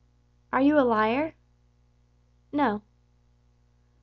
"Are you a liar?" "No."